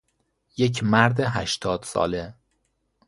یک مرد هشتاد ساله